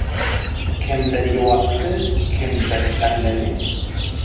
Кемдер йыуатты, кемдер әрләне...